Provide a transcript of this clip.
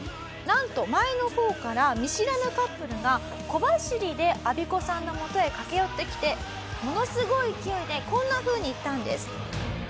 なんと前の方から見知らぬカップルが小走りでアビコさんのもとへ駆け寄ってきてものすごい勢いでこんな風に言ったんです。